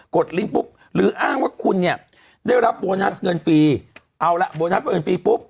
ดลิงค์ปุ๊บหรืออ้างว่าคุณเนี่ยได้รับโบนัสเงินฟรีเอาละโบนัสเอิญฟรีปุ๊บ